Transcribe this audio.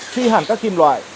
khi hàn cắt kim loại